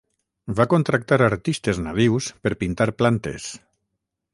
Va contractar artistes nadius per pintar plantes.